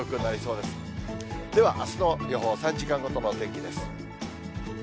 ではあすの予報、３時間ごとのお天気です。